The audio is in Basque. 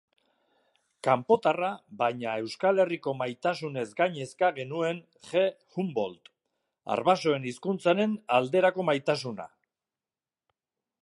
Kanpotarra, baina Euskal Herriko maitasunez gainezka genuen G. Humboldt. Arbasoen hizkuntzaren alderako maitasuna.